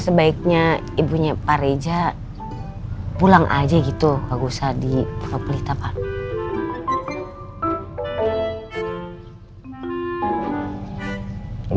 sebaiknya ibunya pak reza pulang aja gitu gak usah di pelita pak